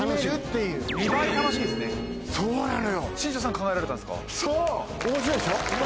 そうなのよ！